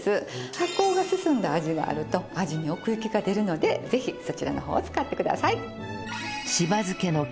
発酵が進んだ味があると味に奥行きが出るのでぜひそちらの方を使ってください。